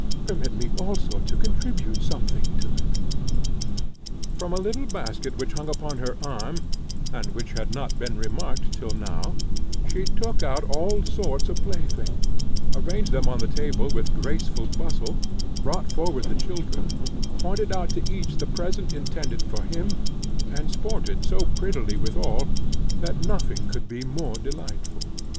Permit me, also, to contribute something to it!" From a little basket which hung upon her arm, and which had not been remarked till now, she took out all sorts of playthings, arranged them on the table with graceful bustle, brought forward the children, pointed out to each the present intended for him, and sported so prettily withal, that nothing could be more delightful.